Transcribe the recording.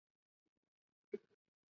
刘怦生于唐玄宗开元十五年。